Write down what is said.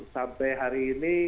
sampai hari ini